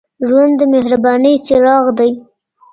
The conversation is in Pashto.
ژوند د مهربانۍ څراغ دئ